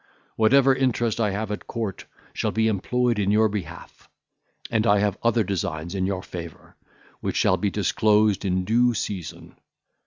Whatever interest I have at court shall be employed in your behalf; and I have other designs in your favour, which shall be disclosed in due season.